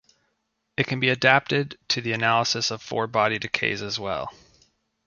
It can be adapted to the analysis of four-body decays as well.